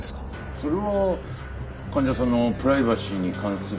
それは患者さんのプライバシーに関する事なので。